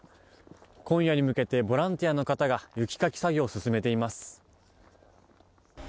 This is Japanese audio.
今夜に向けてボランティアの方が雪かき作業を進めています。